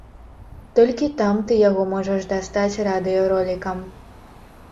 Толькі там ты яго можаш дастаць радыёролікам.